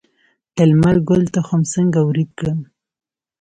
د لمر ګل تخم څنګه وریت کړم؟